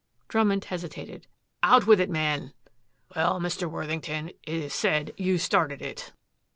Drummond hesitated. "Out with it, man." "Well, Mr. Worthington, it is said you started it."